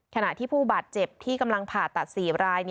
ขณะที่ผู้บาดเจ็บที่กำลังผ่าตัด๔ราย